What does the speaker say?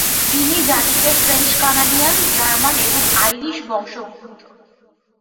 তিনি জাতিতে French Canadian, German এবং আইরিশ বংশদ্ভুত।